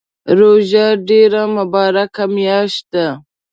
روژه ډیره مبارکه میاشت ده